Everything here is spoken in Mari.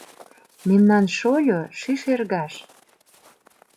Мемнан шольо - ший шергаш.